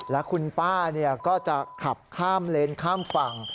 แล้วคุณป้าก็จะขับข้ามเลนข้ามฝั่ง